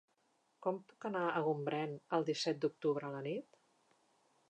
Com puc anar a Gombrèn el disset d'octubre a la nit?